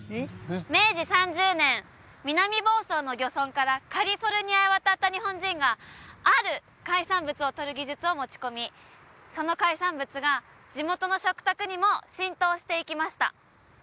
明治３０年南房総の漁村からカリフォルニアへ渡った日本人がある海産物をとる技術を持ち込みその海産物が地元の食卓にも浸透していきました